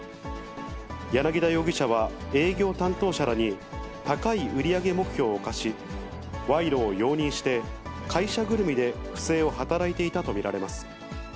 柳田容疑者は営業担当者らに、高い売り上げ目標を課し、賄賂を容認して、会社ぐるみで不正を働いていたと見られます。